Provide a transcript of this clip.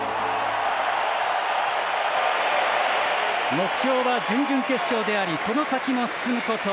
目標は準々決勝でありその先に進むこと。